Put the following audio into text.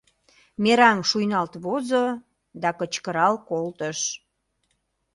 Мераҥ шуйналт возо да кычкырал колтыш.